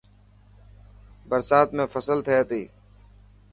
برسات ۾ فصل ٿي تي.